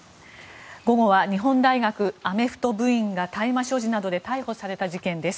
午後は日本大学アメフト部員が大麻所持などで逮捕された事件です。